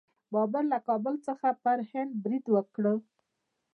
بابر له کابل څخه په هند برید وکړ.